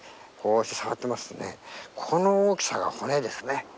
この大きさが骨です。